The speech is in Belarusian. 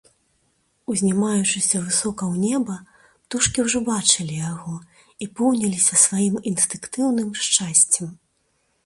Узнімаючыся высока ў неба, птушкі ўжо бачылі яго і поўніліся сваім інстынктыўным шчасцем.